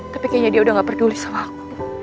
tapi kayaknya dia udah gak peduli sama aku